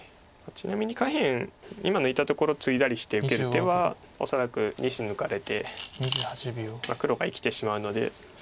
ちなみに下辺今抜いたところツイだリして受ける手は恐らく２子抜かれて黒が生きてしまうので。